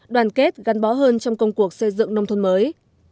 đoàn kết gắn bó hơn trong công cuộc xây dựng nông thôn mới